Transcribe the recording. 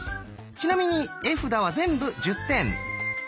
ちなみに絵札は全部１０点。